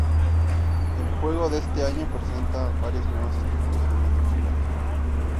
El juego de este año presenta varias y nuevas estipulaciones de combate.